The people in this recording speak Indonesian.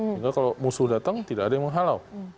sehingga kalau musuh datang tidak ada yang menghalau